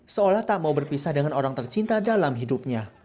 seolah tak mau berpisah dengan orang tercinta dalam hidupnya